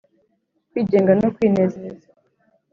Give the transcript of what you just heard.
kwigenga no kwinezeza.